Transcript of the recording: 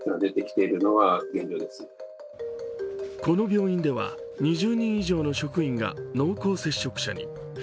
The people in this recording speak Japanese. この病院では２０人以上の職員が濃厚接触者に。